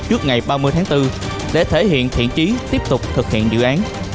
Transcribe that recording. trước ngày ba mươi tháng bốn để thể hiện thiện trí tiếp tục thực hiện dự án